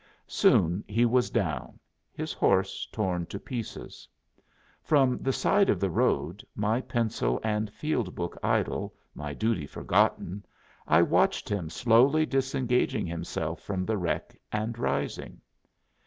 Soon he was down, his horse torn to pieces. From the side of the road, my pencil and field book idle, my duty forgotten, I watched him slowly disengaging himself from the wreck and rising.